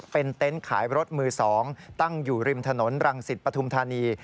เป็นเต็นต์ขายรถมือ๒ตั้งอยู่ริมถนนรังสิตปฐุมธานี